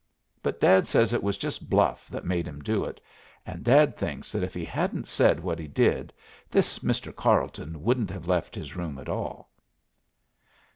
but Dad says it was just bluff that made him do it, and Dad thinks that if he hadn't said what he did, this Mr. Carleton wouldn't have left his room at all."